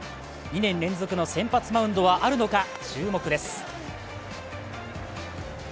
２年連続の先発マウンドはあるのか注目です。